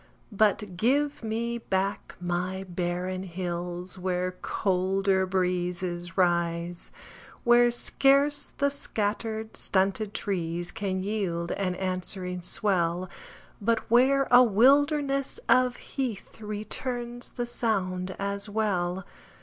But give me back my barren hills Where colder breezes rise; Where scarce the scattered, stunted trees Can yield an answering swell, But where a wilderness of heath Returns the sound as well.